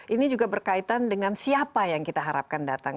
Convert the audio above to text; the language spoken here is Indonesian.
ini juga berkaitan dengan siapa yang kita harapkan datang